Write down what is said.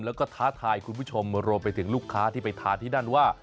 แล้วก็ท้าทายคุณผู้ชมรวมไปถึงลูกค้าที่ไปทานที่นั่นว่า